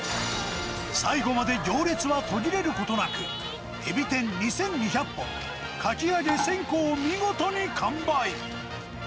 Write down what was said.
最後まで行列は途切れることなく、エビ天２２００本、かき揚げ１０００個を見事に完売。